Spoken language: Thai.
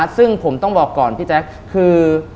ซึ่งผมต้องบอกก่อนพี่แจ๊คคือ